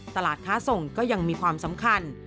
ตลาดค้าส่งก็ยังมีความสำคัญ